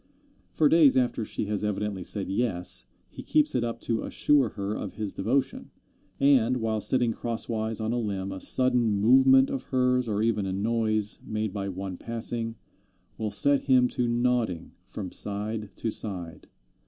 For days after she has evidently said yes, he keeps it up to assure her of his devotion, and, while sitting crosswise on a limb, a sudden movement of hers, or even a noise made by one passing, will set him to nodding from side to side.